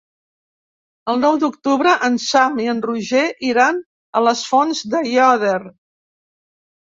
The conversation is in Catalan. El nou d'octubre en Sam i en Roger iran a les Fonts d'Aiòder.